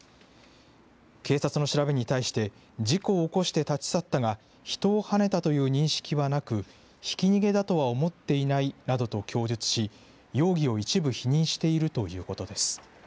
警察の調べに対して、事故を起こして立ち去ったが、人をはねたという認識はなく、ひき逃げだとは思っていないなどと供述し、容疑を一部否認しているということです。